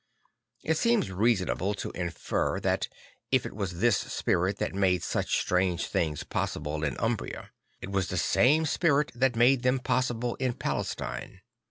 It seems reasonable to infer that if it was this spirit that made such strange things possible in Umbria, it was the same spirit that made them possible in Palestine.